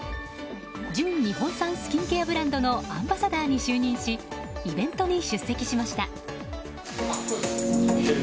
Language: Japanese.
純日本産スキンケアブランドのアンバサダーに就任しイベントに出席しました。